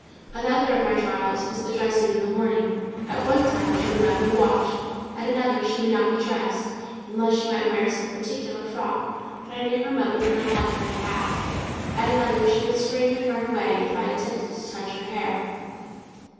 Another of my trials was the dressing in the morning: at one time she would not be washed; at another she would not be dressed, unless she might wear some particular frock, that I knew her mother would not like her to have; at another she would scream and run away if I attempted to touch her hair.